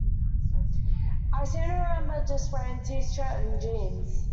I seem to remember just wearing a t-shirt and jeans.